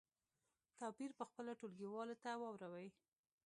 توپیر په خپلو ټولګیوالو ته واوروئ.